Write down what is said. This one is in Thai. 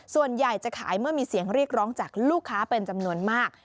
ส่วนใหญ่จะขายเมื่อมีเสียงเรียกร้องจากลูกค้าเป็นจำนวนมาก